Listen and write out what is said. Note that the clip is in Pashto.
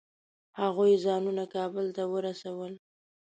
هغوی ځانونه کابل ته ورسول.